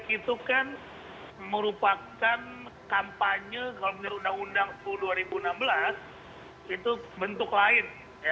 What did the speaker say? konser musik itu kan merupakan kampanye kalau benar undang undang dua ribu enam belas itu bentuk lain